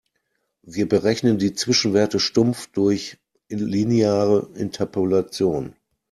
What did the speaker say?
Wir berechnen die Zwischenwerte stumpf durch lineare Interpolation.